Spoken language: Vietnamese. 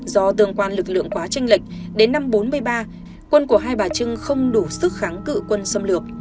do tường quan lực lượng quá tranh lệch đến năm một nghìn chín trăm bốn mươi ba quân của hai bà trưng không đủ sức kháng cự quân xâm lược